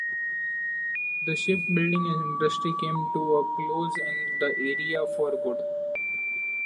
The shipbuilding industry came to a close in the area for good.